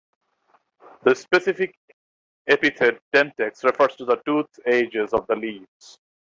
The specific epithet "dentex" refers to the toothed edges of the leaves.